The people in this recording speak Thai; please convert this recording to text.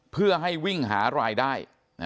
เพื่อให้วิ่งหารายได้